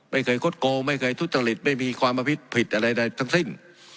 ไม่เคยคดโกงไม่เคยทุจริตไม่มีความผิดผิดอะไรใดทั้งสิ้น